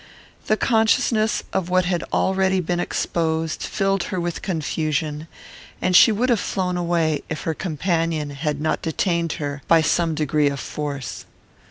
The consciousness of what had already been exposed filled her with confusion, and she would have flown away, if her companion had not detained her by some degree of force.